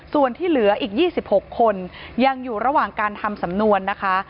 ส่วนที่เหลืออีก๒๖คนยังอยู่ระหว่างการทำสำนวนนะคะ